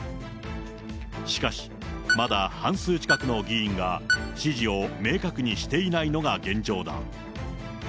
しかし、まだ半数近くの議員が支持を明確にしていないのが現状だ。